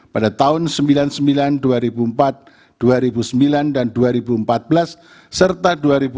pada tahun seribu sembilan ratus sembilan puluh sembilan dua ribu empat dua ribu sembilan dan dua ribu empat belas serta dua ribu empat belas